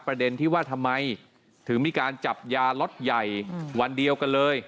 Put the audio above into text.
ประเด็นที่ว่าทำไมถึงมีการจับยาล็อตใหญ่วันเดียวกันเลย